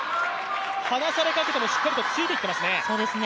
離されかけてもしっかりとついていっていますね。